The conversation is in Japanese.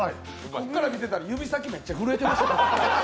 ここから見たら指先めっちゃ震えてました。